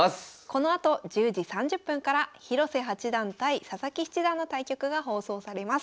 このあと１０時３０分から広瀬八段対佐々木七段の対局が放送されます。